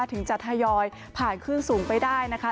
ถึงจะทยอยผ่านคลื่นสูงไปได้นะคะ